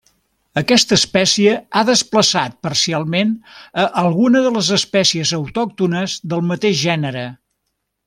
Aquesta espècie ha desplaçat parcialment a algunes de les espècies autòctones del mateix gènere.